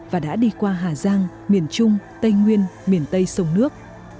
và đã đi qua hà giang miền trung tây nguyên miền tây sông nước